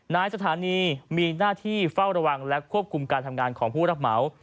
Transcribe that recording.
นายสถานีมีหน้าที่เฝ้าระวังและควบคุมการทำงานของผู้รับเหมา